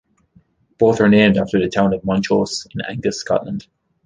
Both are named after the town of Montrose in Angus, Scotland.